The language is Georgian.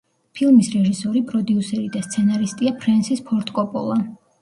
ფილმის რეჟისორი, პროდიუსერი და სცენარისტია ფრენსის ფორდ კოპოლა.